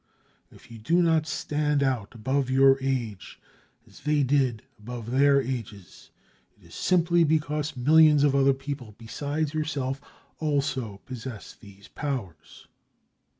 If you do not stand out above your age, as they did above their ages, it is simply because millions of other people besides yourself also possess these powers.